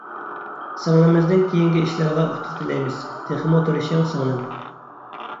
سىڭلىمىزنىڭ كېيىنكى ئىشلىرىغا ئۇتۇق تىلەيمىز، تېخىمۇ تىرىشىڭ سىڭلىم!